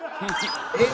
えっ！